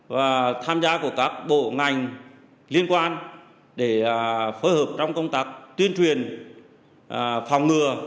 và tham gia của các bộ ngành liên quan để phối hợp trong công tác tuyên truyền phòng ngừa